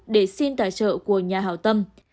để xin tài trợ của nhà hảo tâm